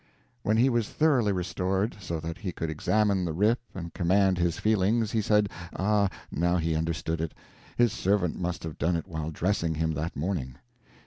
When he was thoroughly restored, so that he could examine the rip and command his feelings, he said, ah, now he understood it his servant must have done it while dressing him that morning.